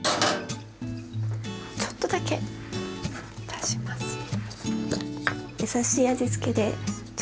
ちょっとだけ足しますね。